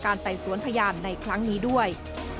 ไต่สวนพยานในครั้งนี้ด้วย